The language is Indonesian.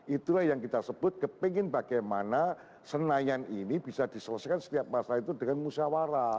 itulah yang kita sebut kepingin bagaimana senayan ini bisa diselesaikan setiap masalah itu dengan musyawarah